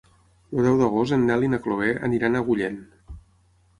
El deu d'agost en Nel i na Chloé aniran a Agullent.